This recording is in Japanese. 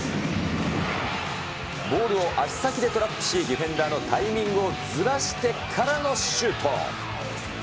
ボールを足先でトラップし、ディフェンダーのタイミングをずらしてからのシュート。